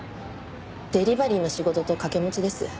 デリバリーの仕事と掛け持ちです。